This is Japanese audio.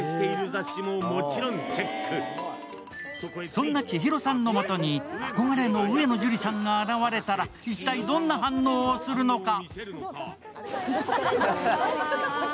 そんな千尋さんの元に憧れの上野樹里さんが現れたら一体どんな反応をするのか。